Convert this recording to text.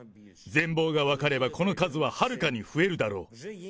全貌が分かればこの数ははるかに増えるだろう。